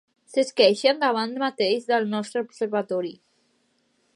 S'esqueien davant mateix del nostre observatori